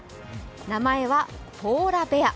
名前はポーラベア。